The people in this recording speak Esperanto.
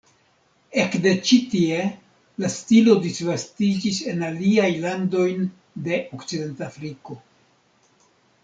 Ekde ĉi tie la stilo disvastiĝis en aliajn landojn de Okcidentafriko.